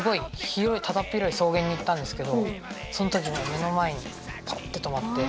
広い草原に行ったんですけどその時目の前にパッて止まって。